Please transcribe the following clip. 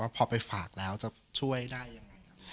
ว่าพอไปฝากแล้วจะช่วยได้ยังไง